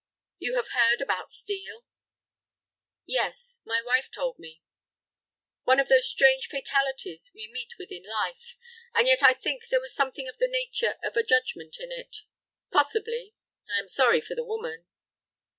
"You have heard about Steel?" "Yes, my wife told me." "One of those strange fatalities we meet with in life. And yet I think there was something of the nature of a judgment in it." "Possibly. I am sorry for the woman."